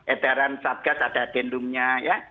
edaran subgas ada adendumnya ya